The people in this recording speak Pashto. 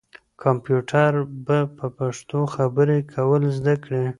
کمپیوټر به په پښتو خبرې کول زده کړي.